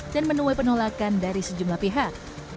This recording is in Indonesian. dan menuai penolakan dari sejumlah pihak